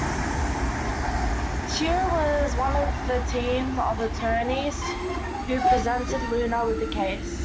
Shere was one of a team of attorneys who presented Luna in the case.